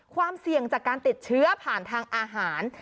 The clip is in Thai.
ความเสี่ยงจากการติดเชื้อผ่านทางอาหาร